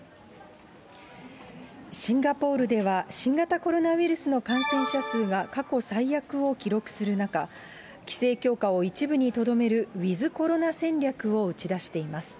シンガポールでは、新型コロナウイルスの感染者数が過去最悪を記録する中、規制強化を一部にとどめるウィズコロナ戦略を打ち出しています。